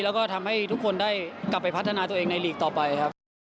แล้วก็ทำให้ทุกคนได้กลับไปพัฒนาตัวเองในหลีกต่อไปครับ